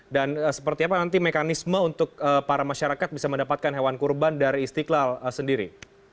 dan seperti apa nanti mekanisme untuk para masyarakat bisa mendapatkan hewan kurban dari istiqlal sendiri